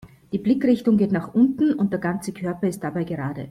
Die Blickrichtung geht nach unten und der ganze Körper ist dabei gerade.